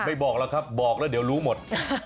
บอกแล้วครับบอกแล้วเดี๋ยวรู้หมด